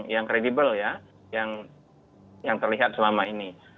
yang kredibel ya yang terlihat selama ini